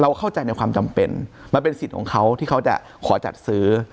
เข้าใจในความจำเป็นมันเป็นสิทธิ์ของเขาที่เขาจะขอจัดซื้อ